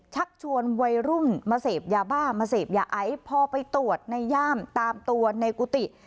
ชักชวนวัยรุ่นมาเสพยาบ้ามาเสพยาไอพอไปตรวจในย่ามตามตัวในกุฏิ